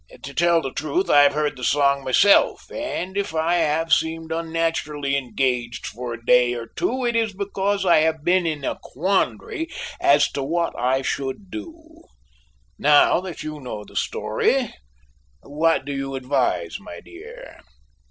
To tell the truth, I've heard the song myself, and if I have seemed unnaturally engaged for a day or two it is because I have been in a quandary as to what I should do. Now that you know the story, what do you advise, my dear?"